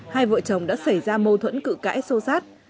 hai vợ chồng đã xảy ra mâu thuẫn cự cãi sâu sát